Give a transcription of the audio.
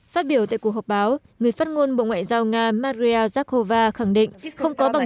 phát biểu tại cuộc họp báo người phát ngôn bộ ngoại giao nga madria zakova khẳng định không có bằng